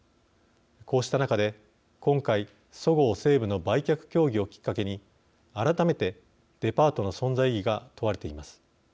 こうした中で、今回そごう・西武の売却協議をきっかけに改めてデパートの存在意義が問われています。